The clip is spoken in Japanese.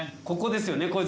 ここですよね。